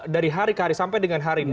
dari hari ke hari sampai dengan hari ini